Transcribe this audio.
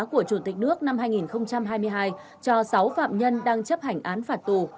của chủ tịch nước năm hai nghìn hai mươi hai cho sáu phạm nhân đang chấp hành án phạt tù